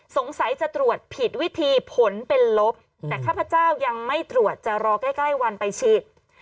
สงสัยจะตรวจผิดวิธีผลเป็นลบแต่ข้าพเจ้ายังไม่ตรวจจะรอใกล้วันไปฉีด